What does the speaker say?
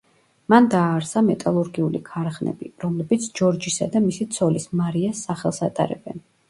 მან დააარსა მეტალურგიული ქარხნები, რომლებიც ჯორჯისა და მისი ცოლის, მარიას სახელს ატარებენ.